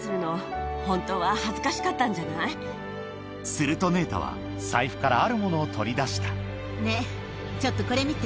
するとネータは財布からあるものを取り出したねぇちょっとこれ見て。